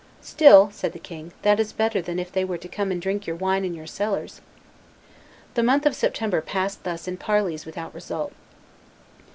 "Still," said the king, "that is better than if they were to come and drink your wine in your cellars." The month of September passed thus in parleys without result.